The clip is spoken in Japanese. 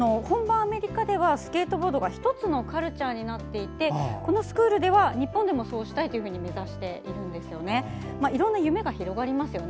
アメリカではスケートボードが１つのカルチャーになっていてこのスクールでは日本でもそうしたいと目指している人も多いんですね。